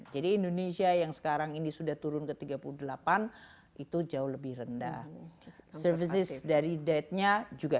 jadi indonesia yang sekarang ini sudah turun ke tiga puluh delapan itu jauh lebih rendah services dari datenya juga